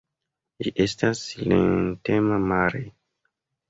Ĝi estas silentema mare.